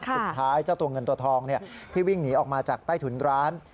เจ้าตัวเงินตัวทองที่วิ่งหนีออกมาจากใต้ถุนร้าน